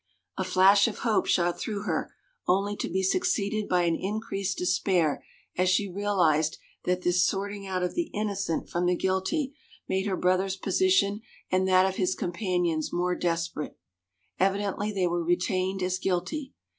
A flash of hope shot through her only to be succeeded by an increased despair as she realized that this sorting out of the innocent from the guilty made her brother's position and that of his compan ions more desperate. Evidently they were retained as guilty.